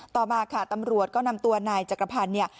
ต่อมาค่ะตำรวจก็นำตัวนายจักรพันธ์เนี่ย